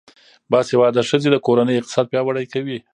باسواده ښځې د کورنۍ اقتصاد پیاوړی کوي.